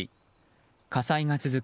火災が続く